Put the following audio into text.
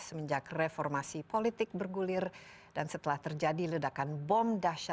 semenjak reformasi politik bergulir dan setelah terjadi ledakan bom dahsyat di legia tenggara